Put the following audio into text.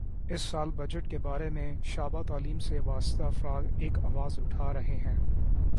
اس سال بجٹ کے بارے میں شعبہ تعلیم سے وابستہ افراد ایک آواز اٹھا رہے ہیں